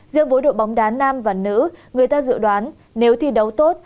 giữa vối đội bóng đá nam và nữ người ta dự đoán nếu thi đấu tốt